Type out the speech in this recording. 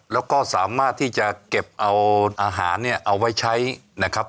แล้วก็สามารถที่จะเก็บเอาอาหารเนี่ยเอาไว้ใช้นะครับ